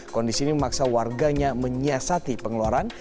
kondisi ini memaksa warganya menyiasati pengeluaran